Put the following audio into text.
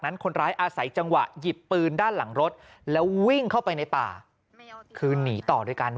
คนร้ายอาศัยจังหวะหยิบปืนด้านหลังรถแล้ววิ่งเข้าไปในป่าคือหนีต่อด้วยกัน